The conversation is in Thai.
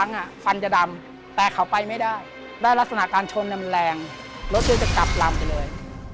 ฟันจะดำแต่เขาไปไม่ได้และลักษณะการชนมันแรงรถเลยจะกลับลำไปเลย